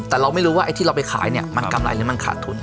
แต่เราไม่รู้ว่าไอ้ที่เราไปขายเนี่ยมันกำไรหรือมันขาดทุน